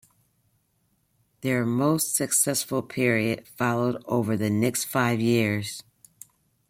Their most successful period followed over the next five years.